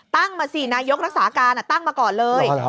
ตั้งมาสินายกรักษาการตั้งมาก่อนเลย